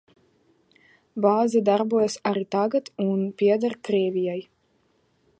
Bāze darbojas arī tagad un pieder Krievijai.